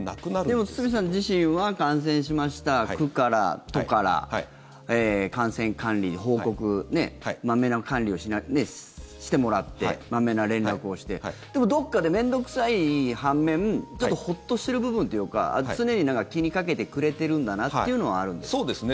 でも、堤さん自身は感染しました区から、都から感染管理、報告まめな管理をしてもらってまめな連絡をしてでも、どこかで面倒臭い半面ちょっとホッとしている部分というか常に気にかけてくれてるんだなというのはあるんですか？